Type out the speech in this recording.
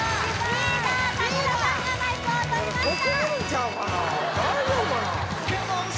リーダー武田さんがマイクをとりました